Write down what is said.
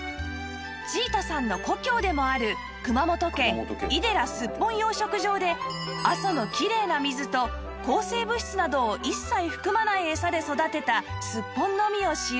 チータさんの故郷でもある熊本県井寺スッポン養殖場で阿蘇のきれいな水と抗生物質などを一切含まないエサで育てたすっぽんのみを使用